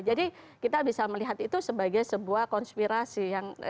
jadi kita bisa melihat itu sebagai sebuah konspirasi